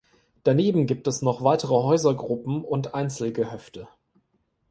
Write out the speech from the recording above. Daneben gibt es noch weitere Häusergruppen und Einzelgehöfte.